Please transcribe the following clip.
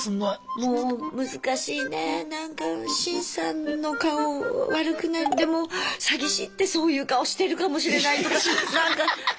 もう難しいねなんかシンさんの顔悪くない詐欺師ってそういう顔してるかもしれないとかなんか。